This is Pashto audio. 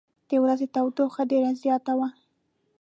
د ورځې تودوخه ډېره زیاته وه.